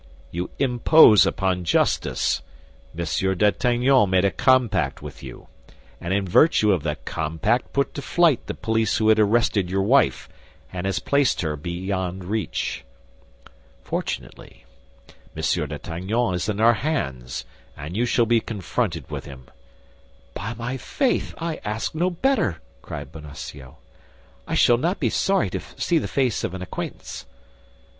"You impose upon justice. Monsieur d'Artagnan made a compact with you; and in virtue of that compact put to flight the police who had arrested your wife, and has placed her beyond reach." "M. d'Artagnan has abducted my wife! Come now, what are you telling me?" "Fortunately, Monsieur d'Artagnan is in our hands, and you shall be confronted with him." "By my faith, I ask no better," cried Bonacieux; "I shall not be sorry to see the face of an acquaintance."